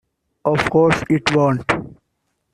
Of course it won't.